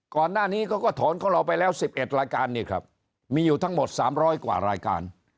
ก่อนหน้านี้เขาก็ถอนของเราไปแล้ว๑๑รายการนี่ครับมีอยู่ทั้งหมด๓๐๐กว่ารายการ